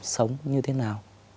sống như thế nào